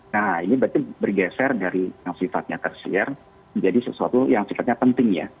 nah ini berarti bergeser dari yang sifatnya tersier menjadi sesuatu yang sifatnya penting ya